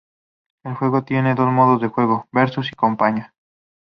El juego tiene dos modos de juego: Versus y Campaña.